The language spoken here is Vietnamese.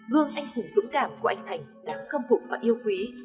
gương anh hùng dũng cảm của anh thành đáng khâm phục và yêu quý